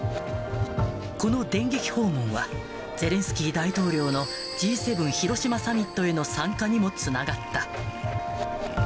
この電撃訪問は、ゼレンスキー大統領のＧ７広島サミットへの参加にもつながった。